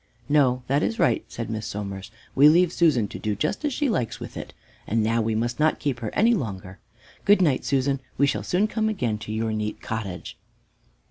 "No, that is right," said Miss Somers; "we leave Susan to do just as she likes with it, and now we must not keep her any longer. Good night, Susan, we shall soon come again to your neat cottage."